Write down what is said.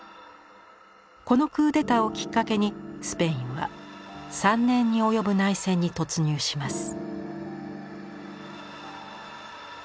このクーデターをきっかけにスペインは３年に及ぶ内戦に突入します。